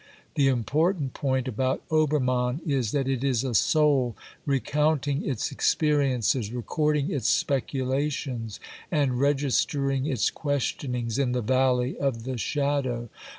The important point about Obermann is that it is a soul recounting its experiences, recording its speculations and registering its questionings in the valley of the shadow.